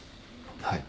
はい。